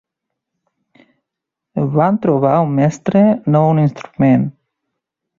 Van trobar un mestre, no un instrument.